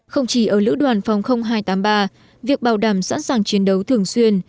không chỉ ở lữ đoàn phòng hai trăm tám mươi ba việc bảo đảm sẵn sàng chiến đấu thường xuyên